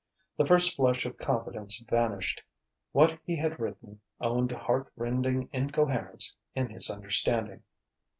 The first flush of confidence vanished, what he had written owned heart rending incoherence in his understanding.